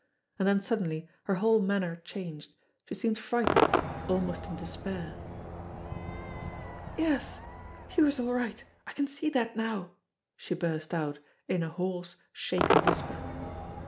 And then suddenly her whole manner changed ; she seemed frightened, almost in despair. "Yes, youse're all right, I can see dat now," she burst out in a hoarse, shaken whisper.